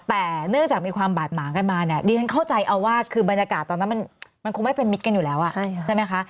แต่เนื่องจากมีความบาดหมางกันมาเนี่ยดิฉันเข้าใจเอาว่าคือบรรยากาศตอนนั้นมันคงไม่เป็นมิตรกันอยู่แล้วใช่ไหมคะ